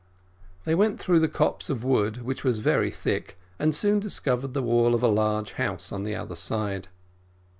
They went through the copse of wood, which was very thick, and soon discovered the wall of a large house on the other side.